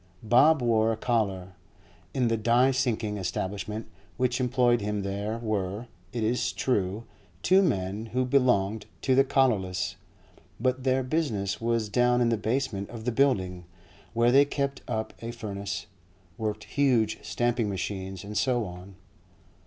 Bob wore a collar. In the die sinking establishment which employed him there were, it is true, two men who belonged to the collarless; but their business was down in the basement of the building, where they kept up a furnace, worked huge stamping machines, and so on.